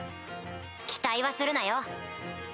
期待はするなよ。